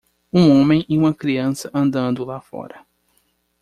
Um homem e uma criança andando lá fora.